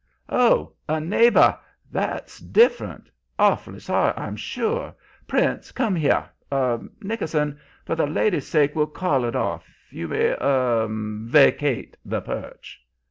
"'Oh, a neighbor! That's different. Awfully sorry, I'm sure. Prince, come here. Er Nickerson, for the lady's sake we'll call it off. You may er vacate the perch.'